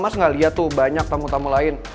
mas nggak liat tuh banyak tamu tamu lain